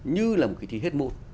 như là một kỳ thi hết môn